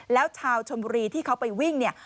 แล้วชาวชนบุรีที่เขาไปวิ่งเนี่ย